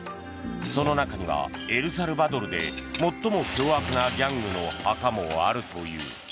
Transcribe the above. その中にはエルサルバドルで最も凶悪なギャングの墓もあるという。